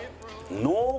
濃厚！